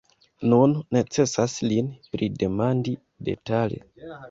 Nun necesas lin pridemandi detale.